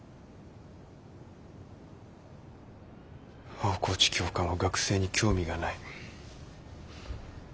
大河内教官は学生に興味がない。